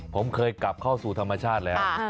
ผมเคยกลับเข้าสู่ธรรมชาติแล้ว